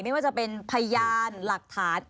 ไม่ว่าจะเป็นพยานหลักฐาน